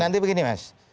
nanti begini mas